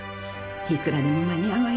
いくらでも間に合うわよ